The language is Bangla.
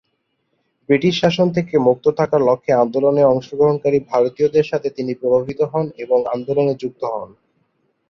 ব্রিটিশ শাসন থেকে মুক্ত থাকার লক্ষ্যে আন্দোলনে অংশগ্রহণকারী ভারতীয়দের সাথে তিনিও প্রভাবান্বিত হন এবং এ আন্দোলনে যুক্ত হন।